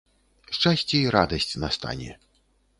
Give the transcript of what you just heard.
Шчасце і радасць настане!